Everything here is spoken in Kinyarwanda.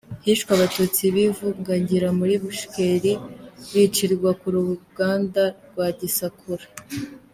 · Hishwe Abatutsi b’i Buvungira muri Bushekeri bicirwa ku ruganda rwa Gisakura